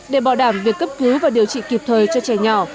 để bảo đảm việc cấp cứu và điều trị kịp thời cho trẻ nhỏ